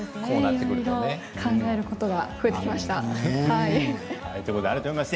考えることが増えてきました。